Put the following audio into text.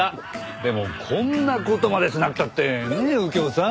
でもこんな事までしなくたってねえ右京さん。